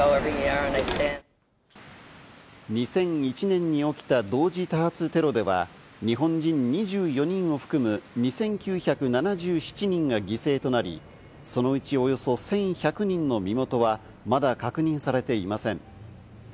２００１年に起きた同時多発テロでは、日本人２４人を含む２９７７人が犠牲となり、そのうちおよそ１１００人の身元がまだ確認されていません。